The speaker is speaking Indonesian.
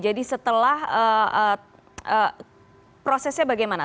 jadi setelah prosesnya bagaimana